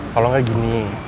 kalau tidak begini